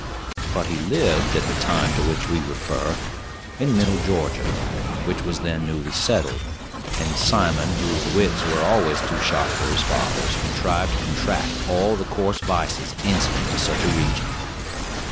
But he lived, at the time to which we refer, in Middle Georgia, which was then newly settled; and Simon, whose wits were always too sharp for his father's, contrived to contract all the coarse vices incident to such a region.